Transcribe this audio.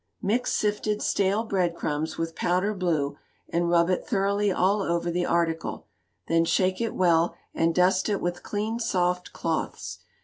Mix sifted stale bread crumbs with powder blue, and rub it thoroughly all over the article; then shake it well, and dust it with clean soft cloths.